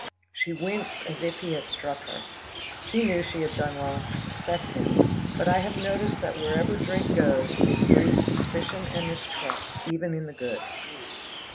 She winced as if he had struck her. She knew she had done wrong to suspect him, but I have noticed that wherever drink goes, it breeds suspicion and mistrust even in the good.